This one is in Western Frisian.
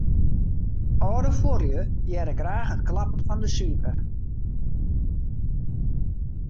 Alde fuorlju hearre graach it klappen fan 'e swipe.